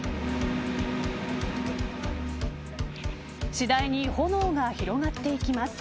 次第に、炎が広がっていきます。